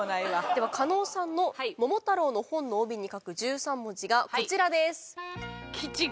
では加納さんの『桃太郎』の本の帯に書く１３文字がこちらです。